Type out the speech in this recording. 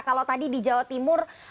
kalau tadi di jawa timur